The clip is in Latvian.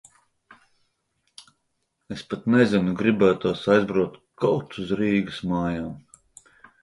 Es pat nezinu. Gribētos aizbraukt. Kaut uz Rīgas mājām.